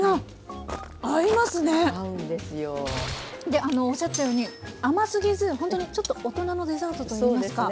でおっしゃってたように甘すぎずほんとにちょっと大人のデザートといいますか。